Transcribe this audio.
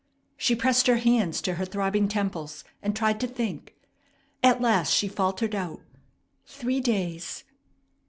She pressed her hands to her throbbing temples, and tried to think. At last she faltered out, "Three days!"